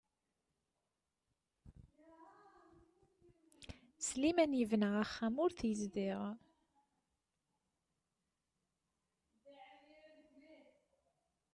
Sliman yebna axxam ur t-yezdiɣ.